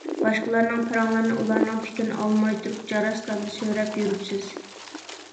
باشقىلارنىڭ پاراڭلىرىنى ئۇلارنىڭ پىكىرىنى ئالماي تۇرۇپ جاراستاندا سۆرەپ يۈرۈپسىز.